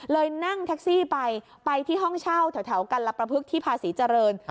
นั่งแท็กซี่ไปไปที่ห้องเช่าแถวกัลประพฤกษีภาษีเจริญ